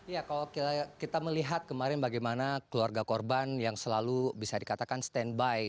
iya kalau kita melihat kemarin bagaimana keluarga korban yang selalu bisa dikatakan stand by